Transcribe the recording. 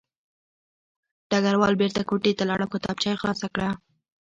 ډګروال بېرته کوټې ته لاړ او کتابچه یې خلاصه کړه